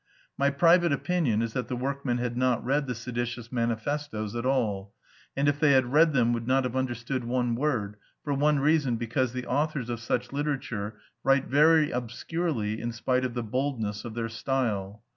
My private opinion is that the workmen had not read the seditious manifestoes at all, and if they had read them, would not have understood one word, for one reason because the authors of such literature write very obscurely in spite of the boldness of their style.